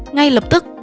ngay lập tức